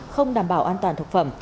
không đảm bảo an toàn thực phẩm